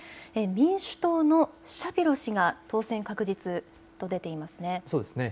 民主党のシャピロ氏が当選確実と出ています。